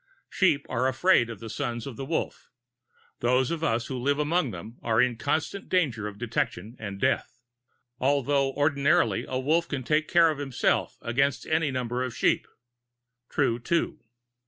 "Sheep are afraid of the Sons of the Wolf. Those of us who live among them are in constant danger of detection and death although ordinarily a Wolf can take care of himself against any number of sheep." True, too.